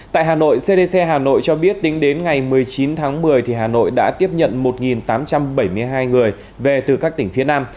tại hà nội cdc hà nội cho biết tính đến ngày một mươi chín tháng một mươi hà nội đã tiếp nhận một tám trăm bảy mươi hai người về từ các tỉnh phía nam